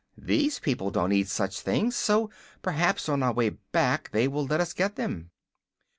These people don't eat such things, so perhaps on our way back they will let us get them."